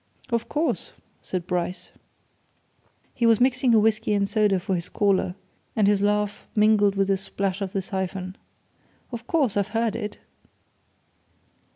"Of course!" said Bryce. He was mixing a whisky and soda for his caller, and his laugh mingled with the splash of the siphon. "Of course! I've heard it."